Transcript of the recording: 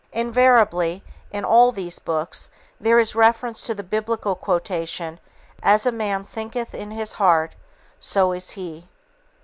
Invariably, in all these books, there is reference to the Biblical quotation, "As a man thinketh in his heart, so is he."